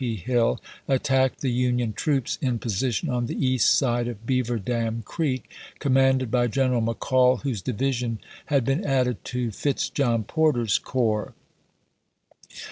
P. Hill, attacked the Union troops in position on the east side of Beaver Dam Creek, commanded by Greneral McCall, whose division had been added to Fitz John Porter's coi'ps.